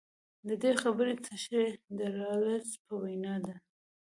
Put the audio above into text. د دې خبرې تشرېح د رالز په وینا ده.